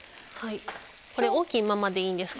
これ大きいままでいいんですか？